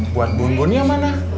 buat bun bunnya mana